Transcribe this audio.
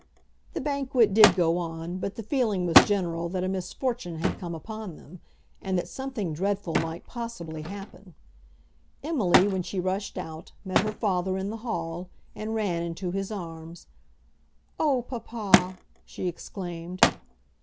The banquet did go on, but the feeling was general that a misfortune had come upon them, and that something dreadful might possibly happen. Emily, when she rushed out, met her father in the hall, and ran into his arms. "Oh, papa!" she exclaimed.